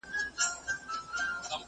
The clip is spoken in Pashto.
نه پوهیږي چي دی څوک دی د کوم قام دی `